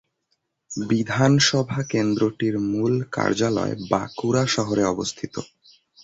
বিধানসভা কেন্দ্রটির মূল কার্যালয় বাঁকুড়া শহরে অবস্থিত।